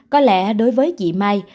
có lẽ đối với chị mai